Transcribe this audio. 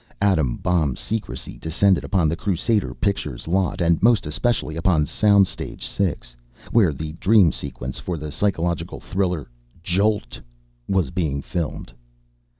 Atom bomb secrecy descended upon the Crusader Pictures lot and most especially upon Sound Stage Six, where the dream sequence for the psychological thriller, "Jolt!" was being filmed.